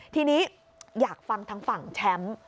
ทีนี้อยากฟังทางฝั่งแชมป์